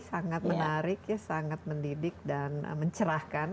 sangat menarik ya sangat mendidik dan mencerahkan